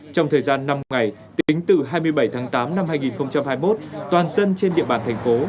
trong thời gian năm ngày tính từ hai mươi bảy tháng tám năm hai nghìn hai mươi một toàn dân trên địa bàn thành phố